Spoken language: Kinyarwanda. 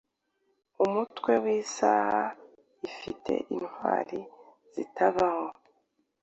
Umutwe-wisaha ifata intwari zitabaho